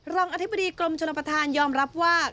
รองอธิบดีกรมชนประธานยอมรับว่า